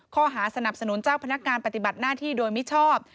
ข้อหาสนับสนุนเจ้าพนักงานปฏิบัติหน้าที่โดยมิชอบ